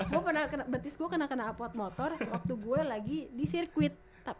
gue pernah betis gue kena kenalpot motor waktu gue lagi di sirkuit